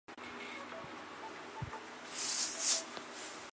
氨纶用在一般衣服上的成分百分比较小。